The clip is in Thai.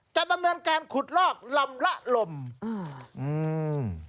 จะดำเนินการขุดลอกลำละลมอืม